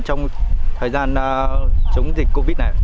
trong thời gian chống dịch covid này